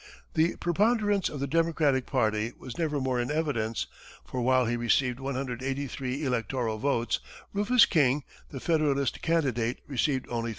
The preponderance of the Democratic party was never more in evidence, for while he received 183 electoral votes, Rufus King, the Federalist candidate, received only 34.